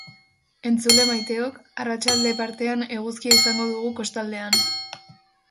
Entzule maiteok, arratsalde partean eguzkia izango dugu kostaldean...